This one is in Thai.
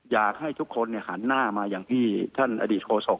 อยากให้ทุกคนหันหน้ามาอย่างที่ท่านอดีตโฆษก